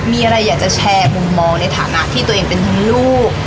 มีอะไรอยากจะแชร์มุมมองในฐานะที่ตัวเองเป็นทั้งลูก